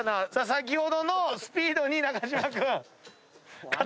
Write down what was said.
先ほどのスピードに中島君。